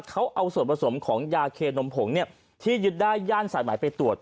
เขาเอาส่วนผสมของยาเคนมผงที่ยึดได้ย่านสายหมายไปตรวจ